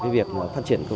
việc phát triển